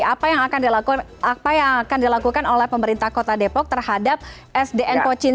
apa yang akan dilakukan oleh pemerintah kota depok terhadap sdn pochin satu ini